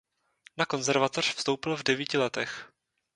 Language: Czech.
Na konzervatoř vstoupil v devíti letech.